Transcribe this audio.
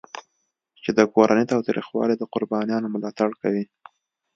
چې د کورني تاوتریخوالي د قربانیانو ملاتړ کوي.